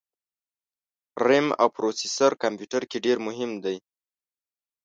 رېم او پروسیسر کمپیوټر کي ډېر مهم دي